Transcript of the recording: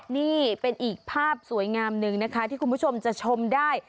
นี่เป็นอีกภาพสวยงามหนึ่งนะคะที่คุณผู้ชมจะชมได้